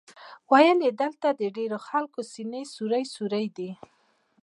ویل یې دلته د ډېرو خلکو سینې سوري سوري دي.